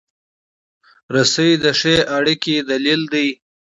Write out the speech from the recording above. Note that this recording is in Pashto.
رسۍ د ښې اړیکې دلیل دی.